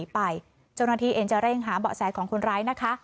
ไปจุดนาทีเองจะเร่งหาเบาะแสของคุณร้ายนะคะ